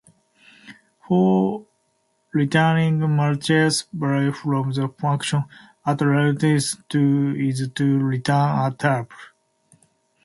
For returning multiple values from a function, an alternative is to return a tuple.